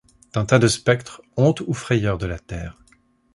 D’un tas de spectres, honte ou frayeur de la terre ;